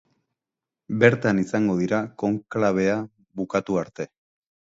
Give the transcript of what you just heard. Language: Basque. Bertan izango dira konklabea bukatu arte.